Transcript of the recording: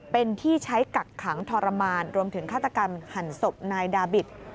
เป็นที่ใช้กักขังทรมานรวมถึงฆาตกรรมหั่นศพนายดาบิต